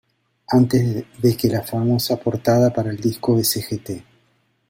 Antes de que la famosa portada para el disco Sgt.